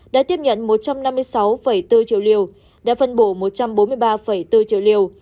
đã tiếp nhận một trăm năm mươi sáu bốn triệu liều đã phân bổ một trăm bốn mươi ba bốn triệu liều